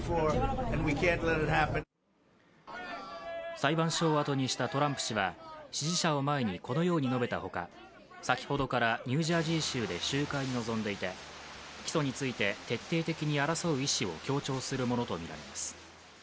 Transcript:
裁判所をあとにしたトランプ氏は支持者を前にこのように述べたほか、先ほどからニュージャージー州で集会に臨んでいて起訴について徹底的に争う意思を強調するものとみられます。